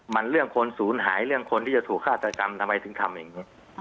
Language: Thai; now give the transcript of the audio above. มันเรื่องคนศูนย์หายเรื่องคนที่จะถูกฆาตกรรมทำไมถึงทำอย่างนี้